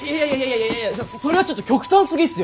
いやいやそれはちょっと極端すぎっすよ。